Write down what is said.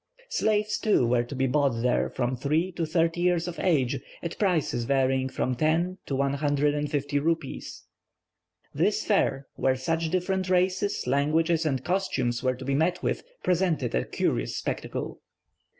Slaves, too, were to be bought there from three to thirty years of age, at prices varying from 10 to 150 rupees. This fair, where such different races, languages, and costumes were to be met with, presented a curious spectacle.